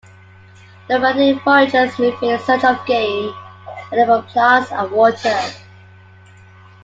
Nomadic foragers move in search of game, edible plants, and water.